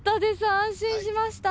安心しました。